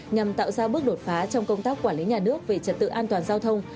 nhằm tạo ra bước đột phá trong công tác quản lý nhà nước về trật tự an toàn giao thông